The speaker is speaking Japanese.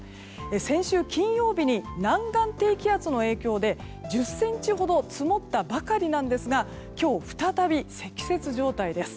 先週金曜日に南岸低気圧の影響で１０ｃｍほど積もったばかりなんですが今日再び積雪状態です。